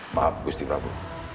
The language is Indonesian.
maaf gusti prabu